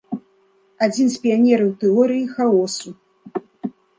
Адзін з піянераў тэорыі хаосу.